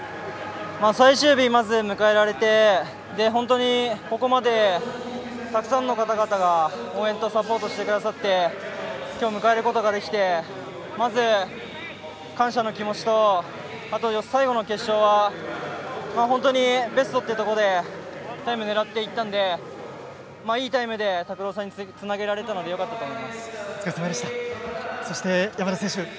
最終日、まず迎えられてここまでたくさんの方々が応援とサポートをしてくださってきょうを迎えることができてまず、感謝の気持ちとあと、最後の決勝は本当にベストというところでタイムを狙っていったのでいいタイムで拓朗さんに続けられたのでよかったと思います。